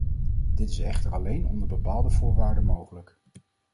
Dit is echter alleen onder bepaalde voorwaarden mogelijk.